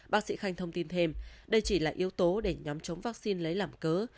bác sĩ khanh thông tin thêm đây chỉ là yếu tố để nhóm chống vaccine lấy làm cớ